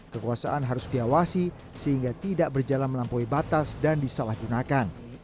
kekuasaan harus diawasi sehingga tidak berjalan melampaui batas dan disalahgunakan